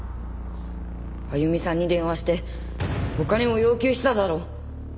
あゆみさんに電話してお金を要求しただろ！